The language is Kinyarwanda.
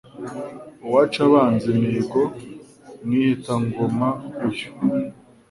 Uwaca abanzi imihigo Mwiheta-ngoma uyu.